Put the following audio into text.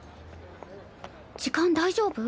時間大丈夫？